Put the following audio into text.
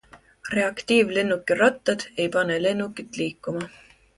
Reaktiivlennuki rattad ei pane lennukit liikuma.